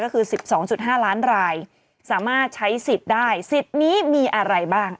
ก็คือ๑๒๕ล้านรายสามารถใช้สิทธิ์ได้สิทธิ์นี้มีอะไรบ้าง